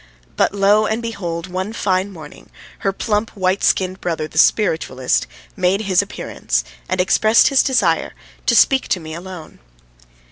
But lo and behold, one fine morning, her plump, white skinned brother, the spiritualist, made his appearance and expressed his desire to speak to me alone.